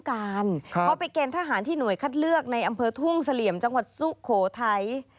เขาไปเกณฑ์ทหารที่หน่วยคัดเลือกในอำเภอทุ่งเสลี่ยมจังหวัดสุโขทัย